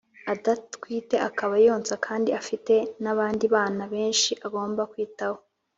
adatwite akaba yonsa kandi afite n’abandi bana benshi agomba kwitaho